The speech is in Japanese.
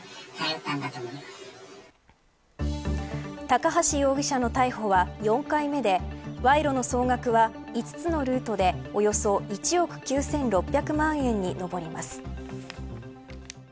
高橋容疑者の逮捕は４回目で、賄賂の総額は５つのルートで、およそ１億９６００万円に上ります。